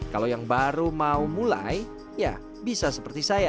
kalau yang baru mau mulai ya bisa seperti saya